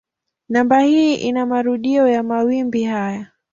Namba hii ni marudio ya mawimbi haya.